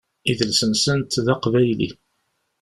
Idles-nsent d aqbayli.